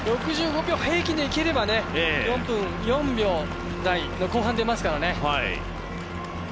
６５秒平均でいければ４分４秒台後半が出ますからね。